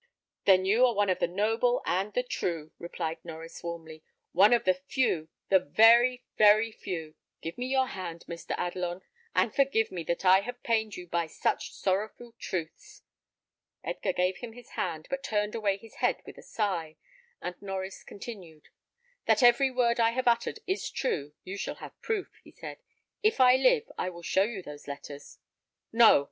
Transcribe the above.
"Then you are one of the noble and the true," replied Norries, warmly; "one of the few, the very, very few. Give me your hand, Mr. Adelon; and forgive me that I have pained you by such sorrowful truths." Edgar gave him his hand, but turned away his head with a sigh, and Norries continued. "That every word I have uttered is true, you shall have proof," he said. "If I live, I will show you those letters." "No!"